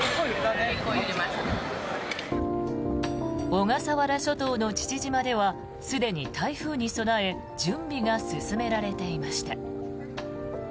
小笠原諸島の父島ではすでに台風に備え準備が進められていました。